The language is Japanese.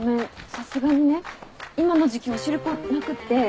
さすがにね今の時季お汁粉はなくって。